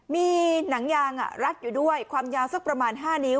มีหนังยางรัดอยู่ด้วยความยาวสักประมาณ๕นิ้ว